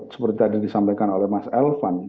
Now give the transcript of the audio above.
seperti tadi disampaikan oleh mas elvan